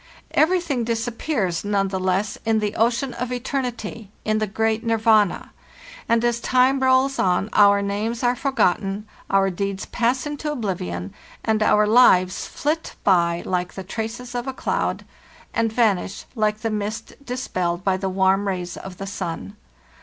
Everything dis appears none the less in the ocean of eternity, in the great Nirvana; and as time rolls on our names are for gotten, our deeds pass into oblivion, and our lives flit by like the traces of a cloud, and vanish like the mist dispelled by the warm rays of the sun.